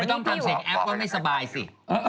ต้องทำเสียงแอปว่าไม่สบายสิ